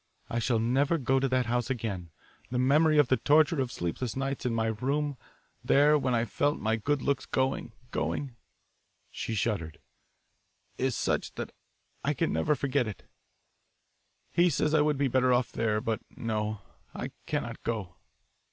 I shall never go to that house again the memory of the torture of sleepless nights in my room there when I felt my good looks going, going" she shuddered "is such that I can never forget it. He says I would be better off there, but no, I cannot go.